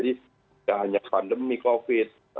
tidak hanya pandemi covid